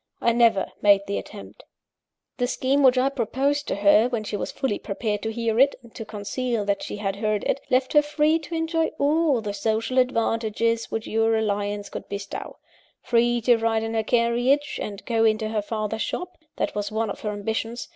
I never made the attempt. "The scheme which I proposed to her, when she was fully prepared to hear it, and to conceal that she had heard it, left her free to enjoy all the social advantages which your alliance could bestow free to ride in her carriage, and go into her father's shop (that was one of her ambitions!)